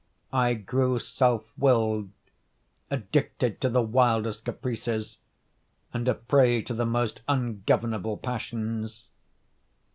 I grew self willed, addicted to the wildest caprices, and a prey to the most ungovernable passions.